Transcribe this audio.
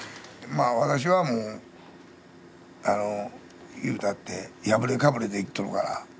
まあ私はもうあの言うたって破れかぶれで生きとるから。